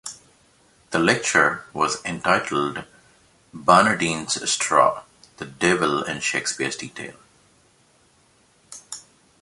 The lecture was entitled "Barnadine's Straw: The Devil in Shakespeare's Detail".